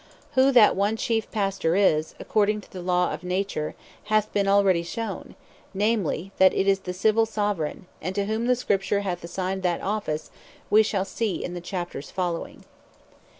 Who that one chief Pastor is, according to the law of Nature, hath been already shewn; namely, that it is the Civill Soveraign; And to whom the Scripture hath assigned that Office, we shall see in the Chapters following.